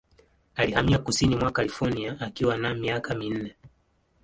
Alihamia kusini mwa California akiwa na miaka minne.